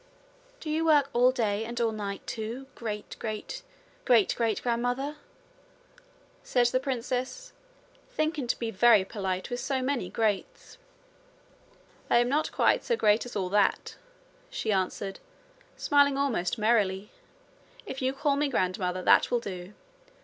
'Do you work all day and all night, too, great great great great grandmother?' said the princess, thinking to be very polite with so many greats. 'I am not quite so great as all that,' she answered, smiling almost merrily. 'If you call me grandmother, that will do.